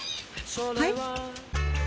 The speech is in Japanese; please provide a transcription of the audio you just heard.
はい？